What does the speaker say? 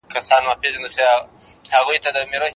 افغانان د وزیرانو تر څنګ ټاکل شوي و.